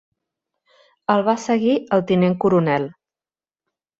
El va seguir el tinent coronel.